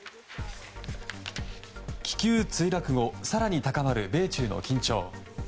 気球撃墜後更に高まる米中の緊張。